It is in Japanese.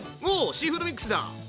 シーフードミックスだ！